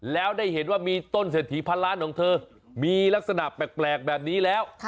แล้วได้เห็นว่ามีต้นเศรษฐีพันล้านของเธอมีลักษณะแปลกแบบนี้แล้ว